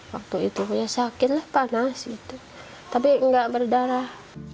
waktu itu ya sakit lah panas gitu tapi nggak berdarah